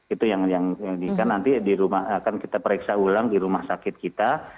itu yang diikan nanti di rumah akan kita periksa ulang di rumah sakit kita